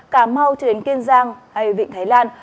cà mau đến kiên giang hay vịnh thái lan